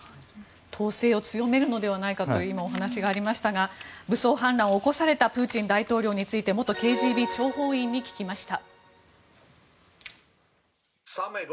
統制を強めるのではないかというお話がありましたが武装反乱を起こされたプーチン大統領について元ＫＧＢ諜報員に聞きました。